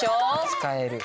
使える。